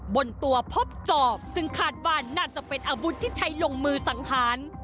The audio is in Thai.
บนตัวพบจอบซึ่งคาดว่าน่าจะเป็นอาวุธที่ใช้ลงมือสังหาร